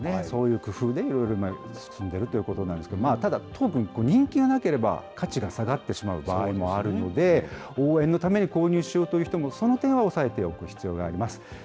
そういう工夫でいろいろ進んでいるということなんですけれども、ただ、トークン、人気がなければ価値が下がってしまう場合もあるので、応援のために購入しようという人も、その点は押さえておく必要があります。